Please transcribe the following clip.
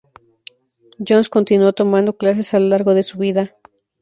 Jones continuó tomando clases a lo largo de su vida.